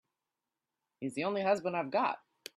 He's the only husband I've got.